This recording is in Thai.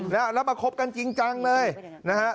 แล้วมาคบกันจริงจังเลยนะฮะ